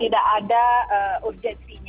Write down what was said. tidak ada urgenci